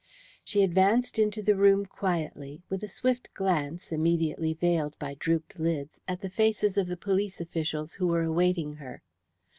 She advanced into the room quietly, with a swift glance, immediately veiled by drooped lids, at the faces of the police officials who were awaiting her.